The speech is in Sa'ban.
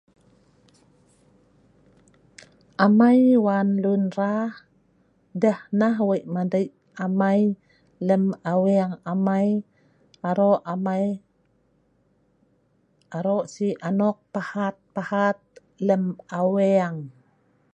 amai wan lun rah deh nah weik madik amai lem aweng amai arok amai arok sik anok pahat pahat lem aweng